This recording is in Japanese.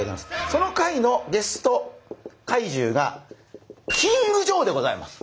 その回のゲストかいじゅうがキングジョーでございます。